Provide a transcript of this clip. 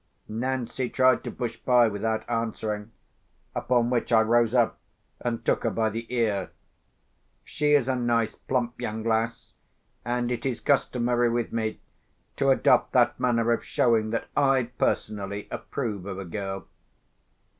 Nancy tried to push by, without answering; upon which I rose up, and took her by the ear. She is a nice plump young lass, and it is customary with me to adopt that manner of showing that I personally approve of a girl.